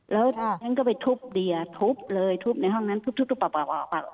แล้วแทนก็ไปทุบเดียทุบเลยทุบในห้องนั้นทุบออกออกออก